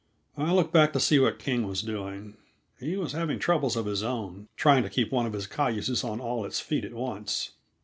I looked back to see what King was doing. He was having troubles of his own, trying to keep one of his cayuses on all its feet at once.